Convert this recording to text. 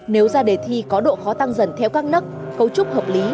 nếu ra đề thi có độ khó tăng dần theo các nấc cấu trúc hợp lý